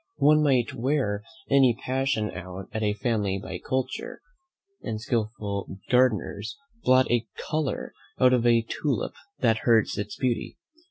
One might wear any passion out of a family by culture, as skilful gardeners blot a colour out of a tulip that hurts its beauty.